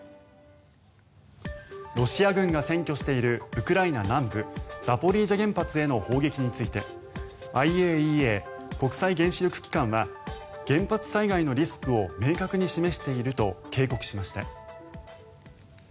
ロシア軍が占拠しているウクライナ南部ザポリージャ原発への砲撃についてＩＡＥＡ・国際原子力機関は原発災害のリスクを明確に示していると警告しました。